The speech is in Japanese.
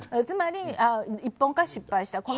つまり、一本化が失敗した。